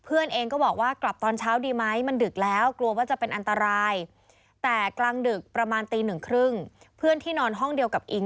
อืม๑๓๐เพื่อนที่นอนห้องเดียวกับอิน